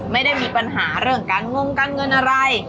ไม่ได้มีปัญหาเรื่องการงงการเงินอะไร